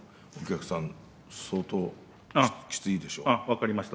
分かりました。